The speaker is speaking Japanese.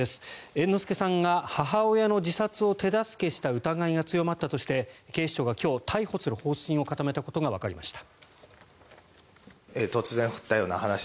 猿之助さんが母親の自殺を手助けした疑いが強まったとして警視庁が今日、逮捕する方針を固めたことがわかりました。